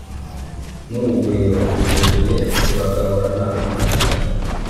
N'urugwiro wuzuye, uragahorana amata